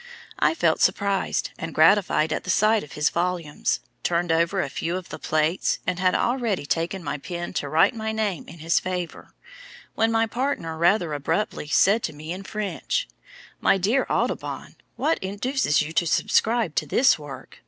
I felt surprised and gratified at the sight of his volumes, turned over a few of the plates, and had already taken my pen to write my name in his favour, when my partner rather abruptly said to me in French: 'My dear Audubon, what induces you to subscribe to this work!